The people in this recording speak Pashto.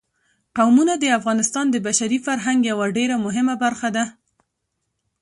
قومونه د افغانستان د بشري فرهنګ یوه ډېره مهمه برخه ده.